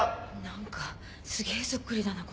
何かすげえそっくりだな